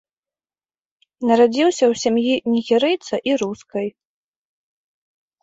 Нарадзіўся ў сям'і нігерыйца і рускай.